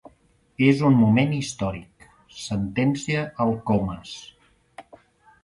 És un moment històric —sentencia el Comas—.